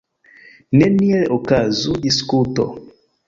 Neniel okazu diskuto.